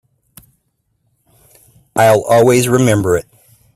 I'll always remember it.